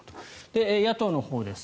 で、野党のほうです。